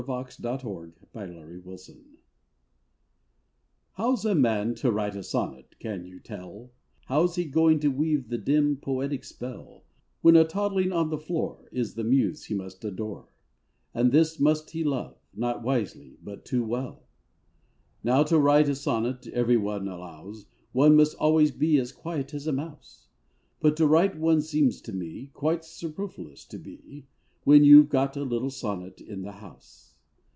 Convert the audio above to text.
THE POET AND THE BABY How's a man to write a sonnet, can you tell, How's he going to weave the dim, poetic spell, When a toddling on the floor Is the muse he must adore, And this muse he loves, not wisely, but too well? Now, to write a sonnet, every one allows, One must always be as quiet as a mouse; But to write one seems to me Quite superfluous to be, When you 've got a little sonnet in the house.